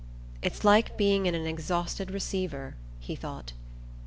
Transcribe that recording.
"It's like being in an exhausted receiver," he thought.